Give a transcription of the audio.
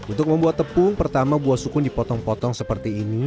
untuk membuat tepung pertama buah sukun dipotong potong seperti ini